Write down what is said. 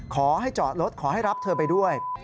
ขอให้จอดรถขอให้รับเธอไปด้วย